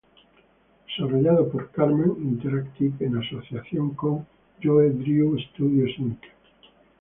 Desarrollado por Karman Interactive en asociación con Joey Drew Studios Inc.